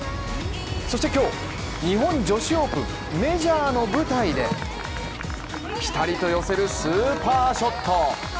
そして今日、日本女子オープン、メジャーの舞台でぴたりと寄せるスーパーショット。